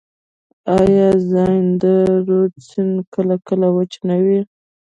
آیا زاینده رود سیند کله کله وچ نه وي؟